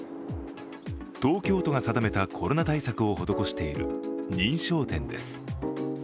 東京都が定めたコロナ対策を施している認証店です。